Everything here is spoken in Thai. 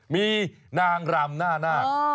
มีนางรำหน้านาค